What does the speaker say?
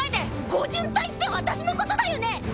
護盾隊って私のことだよね